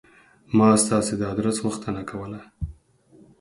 ما ستاسې د آدرس غوښتنه کوله.